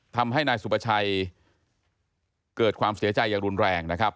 ทำให้นายสุประชัยเกิดความเสียใจอย่างรุนแรงนะครับ